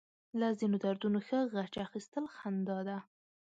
له ځينو دردونو ښه غچ اخيستل خندا ده.